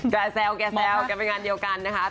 กระแซวกันไปงานเดียวกันนะคะ